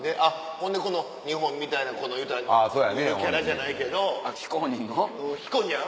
ほんでこの日本みたいなゆるキャラじゃないけど。